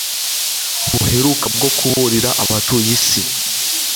buheruka bwo kuburira abatuye isi